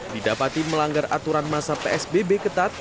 didapati melanggar aturan masa psbb ketat